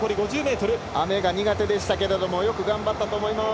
雨が苦手でしたけどよく頑張ったと思います。